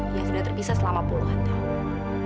yang sudah terpisah selama puluhan tahun